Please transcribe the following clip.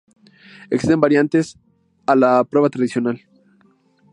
Existen variantes a la prueba tradicional.